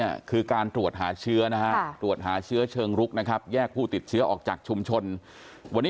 เนี่ยคือการตรวจหาเชื้อนะฮะตรวจหาเชื้อเชิงรุกนะครับแยกผู้ติดเชื้อออกจากชุมชนวันนี้